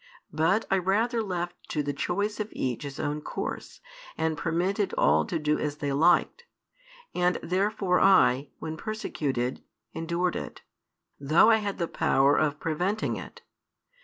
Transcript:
But I rather left to the choice of each his own course, and permitted all to do as they liked. And therefore I, when persecuted, endured it, though I had the power of preventing it.